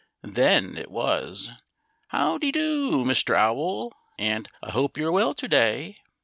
Then it was "How dy do, Mr. Owl!" and "I hope you're well to day!"